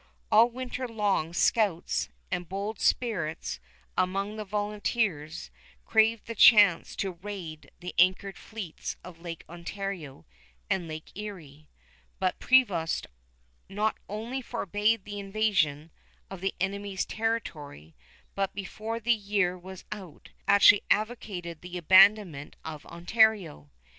All winter long scouts and bold spirits among the volunteers craved the chance to raid the anchored fleets of Lake Ontario and Lake Erie, but Prevost not only forbade the invasion of the enemy's territory, but before the year was out actually advocated the abandonment of Ontario.